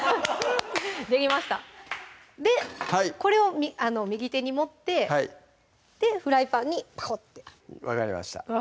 できましたでこれを右手に持ってフライパンにホッて分かりました